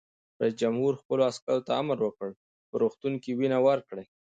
رئیس جمهور خپلو عسکرو ته امر وکړ؛ په روغتونونو کې وینه ورکړئ!